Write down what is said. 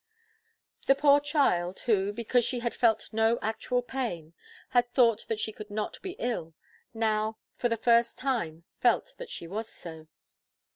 The poor child, who, because she had felt no actual pain, had thought that she could not be ill, now, for the first time, felt that she was so.